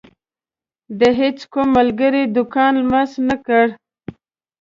د هيڅ کوم ملګري دکان لمس نه کړ.